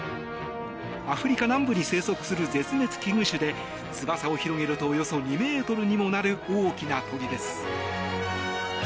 アフリカ南部に生息する絶滅危惧種で翼を広げるとおよそ２ｍにもなる大きな鳥です。